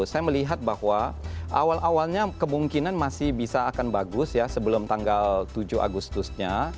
saya melihat bahwa awal awalnya kemungkinan masih bisa akan bagus ya sebelum tanggal tujuh agustusnya